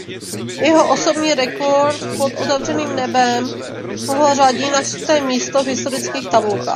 Jeho osobní rekord pod otevřeným nebem ho řadí na čtvrté místo v historických tabulkách.